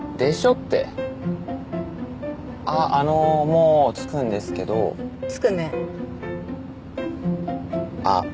ってあっあのもう着くんですけど着くねあっ